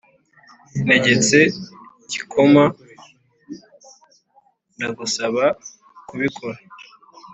ntegetse igikoma. ndagusaba kubikora.